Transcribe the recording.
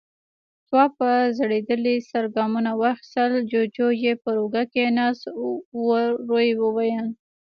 تواب په ځړېدلي سر ګامونه واخيستل، جُوجُو يې پر اوږه کېناست، ورو يې وويل: